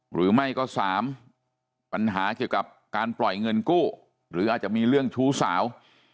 หรือไม่ก็๓ปัญหาเกี่ยวกับการปล่อยเงินกู้หรืออาจจะมีเรื่องชู้สาว